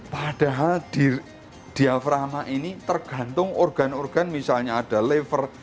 padahal diaframa ini tergantung organ organ misalnya ada liver